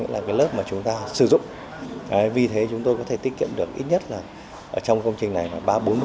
là cái lớp mà chúng ta sử dụng vì thế chúng tôi có thể tiết kiệm được ít nhất là trong công trình này là ba bốn mươi